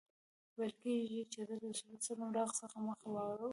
ویل کیږي چي حضرت رسول ص له هغه څخه مخ واړاوه.